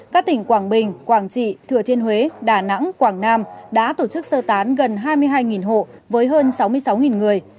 các tỉnh quảng bình quảng trị thừa thiên huế đà nẵng quảng nam đã tổ chức sơ tán gần hai mươi hai hộ với hơn sáu mươi sáu người